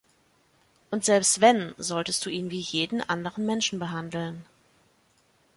Und selbst wenn, solltest du ihn wie jeden anderen Menschen behandeln.